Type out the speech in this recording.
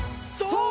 そう！